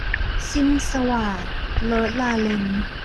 สิ้นสวาท - โรสลาเรน